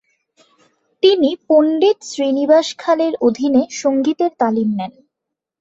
তিনি পণ্ডিত শ্রীনিবাস খালের অধীনে সঙ্গীতের তালিম নেন।